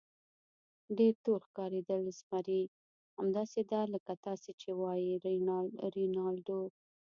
ډېر تور ښکارېدل، زمري: همداسې ده لکه تاسې چې وایئ رینالډو.